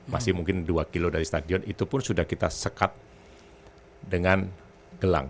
masih mungkin dua kilo dari stadion itu pun sudah kita sekat dengan gelang